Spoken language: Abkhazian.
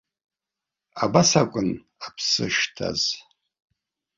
Абас акәын аԥсы шҭаз.